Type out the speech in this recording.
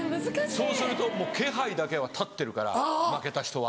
そうすると気配だけは立ってるから負けた人は。